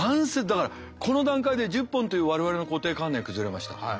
だからこの段階で１０本という我々の固定観念崩れました。